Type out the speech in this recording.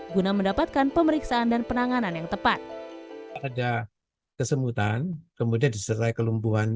guna mendapatkan pemeriksaan dan penanganan yang tepat ada kesemutan kemudian disertai kelumpuhan